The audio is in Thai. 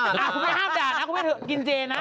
อ้าวคุณไม่ห้ามด่านะคุณไม่ถือกินเจนนะ